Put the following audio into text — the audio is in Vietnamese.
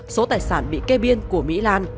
số tài sản bị kê biên của mỹ lan